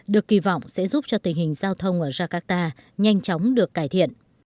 được kỳ vọng sẽ giúp cho tình hình giao thông ở jakarta nhanh chóng được cải thiện